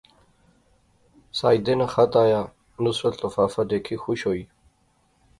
ساجدے ناں خط آیا، نصرت لفافہ دیکھی خوش ہوئی